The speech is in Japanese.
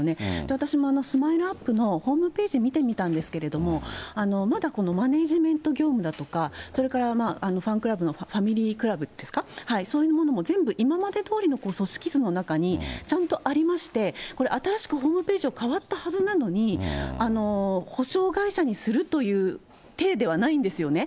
私もＳＭＩＬＥーＵＰ．のホームページ見てみたんですけれども、まだこのマネージメント業務だとか、それからファンクラブのファミリークラブですか、そういうものも全部今までどおりの組織図の中にちゃんとありまして、これ、新しくホームページが変わったはずなのに、補償会社にするという体ではないんですよね。